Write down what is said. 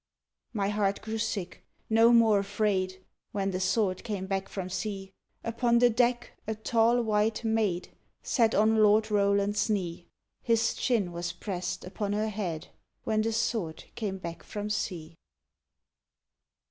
_ My heart grew sick, no more afraid, When the Sword came back from sea; Upon the deck a tall white maid Sat on Lord Roland's knee; His chin was press'd upon her head, _When the Sword came back from sea!